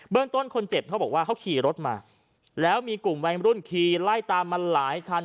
ต้นคนเจ็บเขาบอกว่าเขาขี่รถมาแล้วมีกลุ่มวัยรุ่นขี่ไล่ตามมาหลายคัน